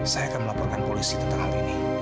saya akan melaporkan polisi tentang hal ini